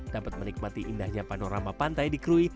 dapat menikmati indahnya panorama pantai di krui